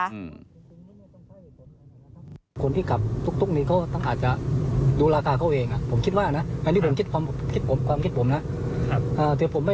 อันนี้ผมไม่รู้นะที่ราคามันเกลิงมากกว่านี้อาจจะ